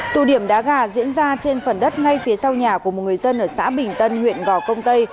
tụ điểm đá gà diễn ra trên phần đất ngay phía sau nhà của một người dân ở xã bình tân huyện gò công tây